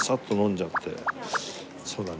そうだね。